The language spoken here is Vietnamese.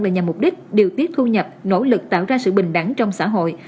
là nhằm mục đích điều tiết thu nhập nỗ lực tạo ra sự bình đẳng trong xã hội